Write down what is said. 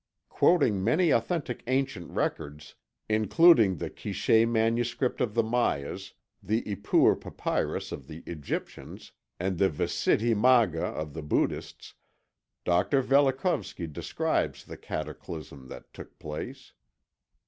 Quoting many authentic ancient records, including the Quiché manuscript of the Mayas, the Ipuwer papyrus of the Egyptians, and the Visiddhi Magga of the Buddhists, Dr. Velikovsky describes the cataclysm that took place.